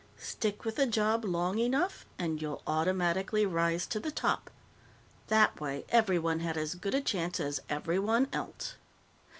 Stick with a job long enough, and you'll automatically rise to the top. That way, everyone had as good a chance as everyone else.